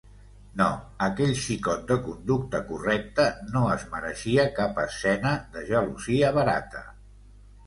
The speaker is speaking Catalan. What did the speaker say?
No, aquell xicot de conducta correcta no es mereixia cap escena de gelosia barata.